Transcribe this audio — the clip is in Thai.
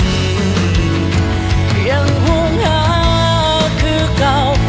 ยังห่วงหาคือเก่า